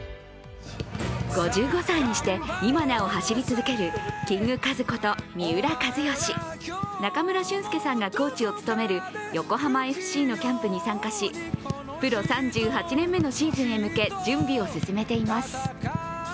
５５歳にして、今なお走り続けるキングカズこと三浦知良。中村俊輔さんがコーチを務める横浜ＦＣのキャンプに参加しプロ３８年目のシーズンへ向け準備を進めています。